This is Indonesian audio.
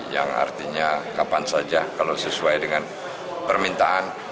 yang artinya kapan saja kalau sesuai dengan permintaan